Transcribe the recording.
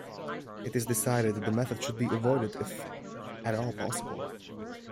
It is decided the method should be avoided if at all possible.